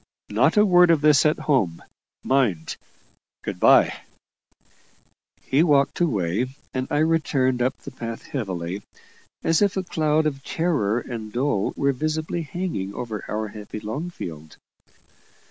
Not a word of this at home, mind. Good bye!" He walked away, and I returned up the path heavily, as if a cloud of terror and dole were visibly hanging over our happy Longfield.